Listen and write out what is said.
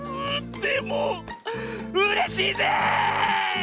でもうれしいぜ！